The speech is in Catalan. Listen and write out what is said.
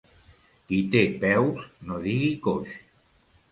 Qui té peus, no digui coix.